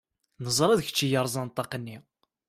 Neẓra d kečč i yerẓan ṭṭaq-nni.